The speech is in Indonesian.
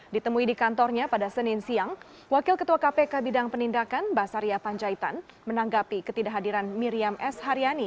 ditemui di kantornya pada senin siang wakil ketua kpk bidang penindakan basaria panjaitan menanggapi ketidakhadiran miriam s haryani